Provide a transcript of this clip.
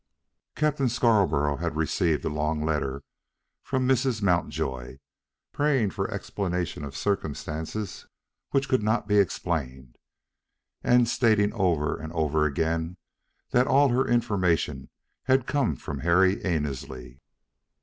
Captain Scarborough had received a long letter from Mrs. Mountjoy, praying for explanation of circumstances which could not be explained, and stating over and over again that all her information had come from Harry Annesley.